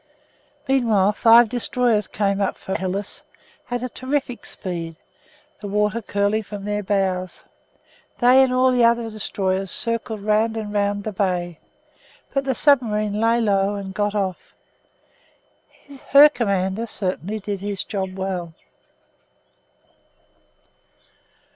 Meanwhile five destroyers came up from Helles at a terrific speed, the water curling from their bows; they and all the other destroyers circled round and round the bay, but the submarine lay low and got off. Her commander certainly did his job well.